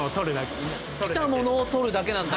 来た物を取るだけなんだ。